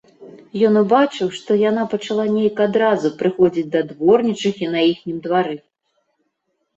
Ён убачыў, што яна пачала нейк адразу прыходзіць да дворнічыхі на іхнім двары.